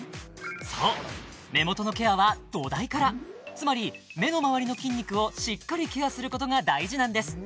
そう目元のケアは土台からつまり目の周りの筋肉をしっかりケアすることが大事なんです